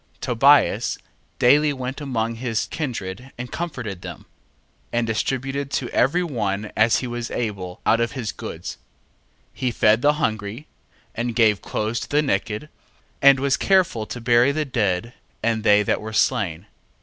Tobias daily went among all his kindred and comforted them, and distributed to every one as he was able, out of his goods: 1:20. He fed the hungry, and gave clothes to the naked, and was careful to bury the dead, and they that were slain.